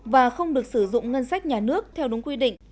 và không được sử dụng ngân sách nhà nước theo đúng quy định